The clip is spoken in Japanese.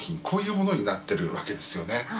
こういうものになっているわけです。